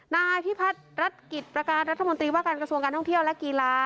นายพิพัฒน์รัฐกิจประการรัฐมนตรีว่าการกระทรวงการท่องเที่ยวและกีฬา